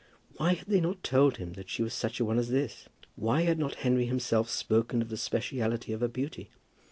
Why had they not told him that she was such a one as this? Why had not Henry himself spoken of the speciality of her beauty?